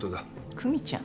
久実ちゃん？